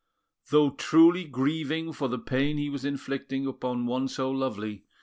Though truly grieving for the pain he was inflicting upon one so lovely, M.